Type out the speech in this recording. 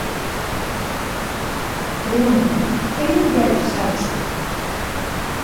Pregúntolle: ¿que límite vai fixar vostede?